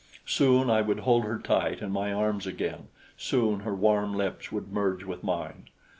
Soon I would hold her tight in my arms again; soon her warm lips would merge with mine.